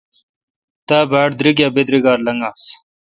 تا باڑ دریک اے° بدراگار لنگاس۔